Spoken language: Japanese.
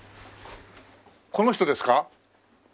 この人ですか？